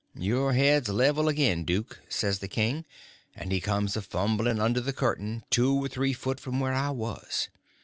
"Your head's level agin, duke," says the king; and he comes a fumbling under the curtain two or three foot from where I was.